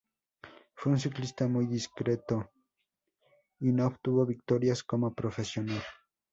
Fue un ciclista muy discreto y no obtuvo victorias como profesional.